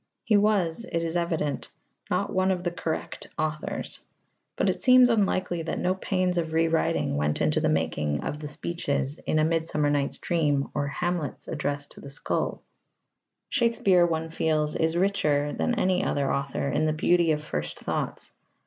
He was, it is evident, not one of the correct authors. But it seems unlikely that no pains of rewriting went to the making of the speeches in A Midsummer Night's Dream or Hamlet's address to the skull. Shakespeare, one feels, is richer than any other author in the beauty of first thoughts.